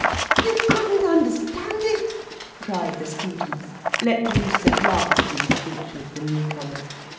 "You couldn't understand it?" cried the Students, let loose at last in speech with the newcomers.